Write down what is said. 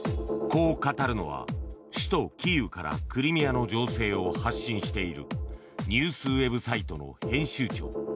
こう語るのは、首都キーウからクリミアの情勢を発信しているニュースウェブサイトの編集長。